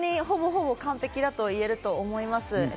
ほぼほぼ完璧だといえると思います。